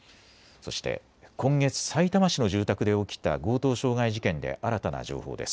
そして今月、さいたま市の住宅で起きた強盗傷害事件で新たな情報です。